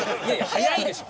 早いでしょ！